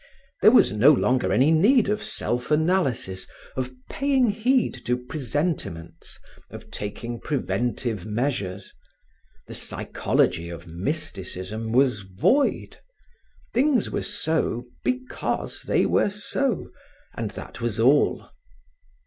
There was no longer any need of self analysis, of paying heed to presentiments, of taking preventive measures. The psychology of mysticism was void. Things were so because they were so, and that was all.